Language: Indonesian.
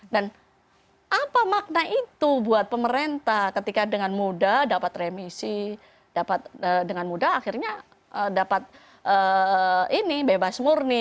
dan apa makna itu buat pemerintah ketika dengan mudah dapat remisi dengan mudah akhirnya dapat ini bebas murni